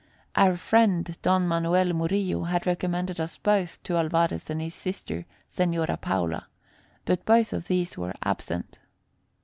Our friend, Don Manuel Murillo, had recommended us both to Alvarez and to his sister, Señora Paula, but both of these were absent.